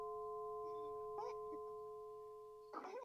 美食飨宴